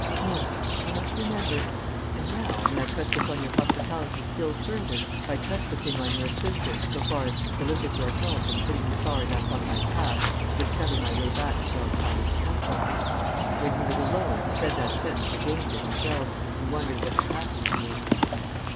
"Milk; I must remember. And now may I trespass on your hospitality still further by trespassing on your assistance so far as to solicit your help in putting me far enough on my path to discover my way back to Beltravers Castle?" (When he was alone he said that sentence again to himself, and wondered what had happened to it.)